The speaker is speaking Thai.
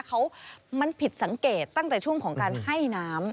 เขามันผิดสังเกตตั้งแต่ช่วงของการให้น้ำ